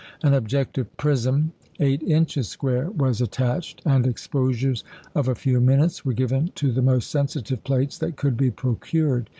An objective prism eight inches square was attached, and exposures of a few minutes were given to the most sensitive plates that could be procured.